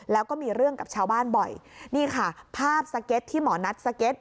แล้วก็มีเรื่องกับชาวบ้านบ่อยนี่ค่ะภาพสเก็ตที่หมอนัทสเก็ต